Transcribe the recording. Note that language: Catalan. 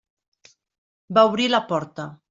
Va obrir la porta.